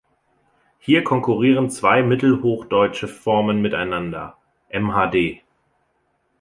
Hier konkurrieren zwei mittelhochdeutsche Formen miteinander: Mhd.